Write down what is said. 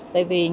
tại vì những